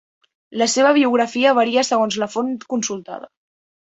La seva biografia varia segons la font consultada.